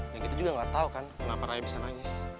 ya gitu juga gak tau kan kenapa raya bisa nangis